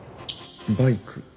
バイク？